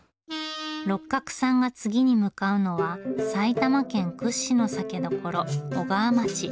六角さんが次に向かうのは埼玉県屈指の酒どころ小川町。